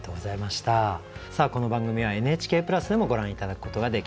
さあこの番組はＮＨＫプラスでもご覧頂くことができます。